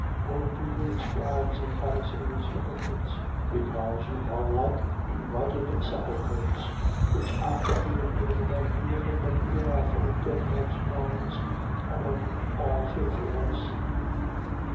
23:27. Woe to you, scribes and Pharisees, hypocrites; because you are like to whited sepulchres, which outwardly appear to men beautiful but within are full of dead men's bones and of all filthiness.